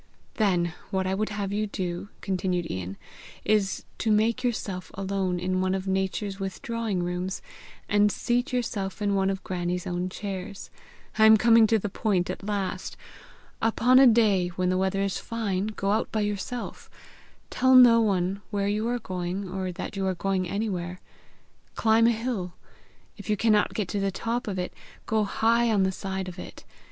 "Then what I would have you do," continued Ian, "is to make yourself alone in one of Nature's withdrawing rooms, and seat yourself in one of Grannie's own chairs. I am coming to the point at last! Upon a day when the weather is fine, go out by yourself. Tell no one where you are going, or that you are going anywhere. Climb a hill. If you cannot get to the top of it, go high on the side of it.